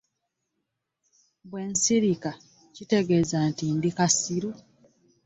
Bwensirika kitegeza nti ndi kasiru.